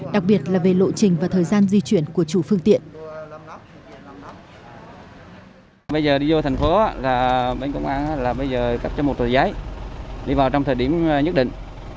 đặc biệt là về lộ trình và thời gian di chuyển của chủ phương tiện